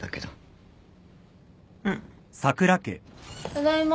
ただいま。